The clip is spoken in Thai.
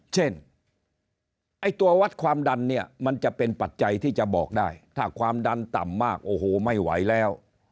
ไอ้ตัววัดความดันเนี่ยมันจะเป็นปัจจัยที่จะบอกได้ถ้าความดันต่ำมากโอ้โหไม่ไหวแล้ว